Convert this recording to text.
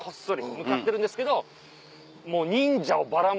向かってるんですけどもう。